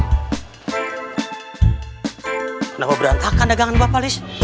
kenapa berantakan dagangan bapak lis